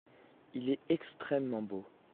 Il est extrêmement beau.